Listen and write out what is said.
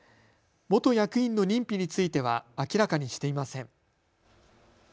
元役員の認否については明らかにしていません。